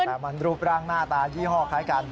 แต่มันรูปร่างหน้าตายี่ห้อคล้ายกัน